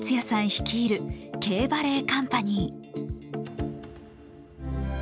率いるＫバレエカンパニー。